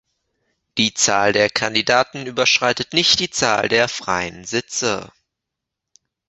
Die Zahl der Kandidaten überschreitet nicht die Zahl der freien Sitze.